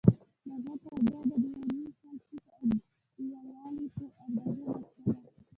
د غره پر ډډه د یو نیم سل فوټه لوړوالی په اندازه نقشه ده.